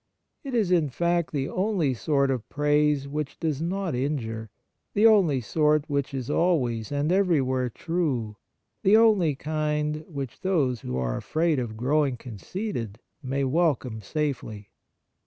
It is, in fact, the only sort of praise which does not injure, the only sort which is always and everywhere true, the only kind which those who are afraid of growing conceited may welcome safely.